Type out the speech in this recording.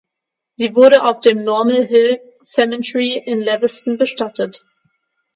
Sie wurde auf dem Normal Hill Cemetery in Lewiston bestattet.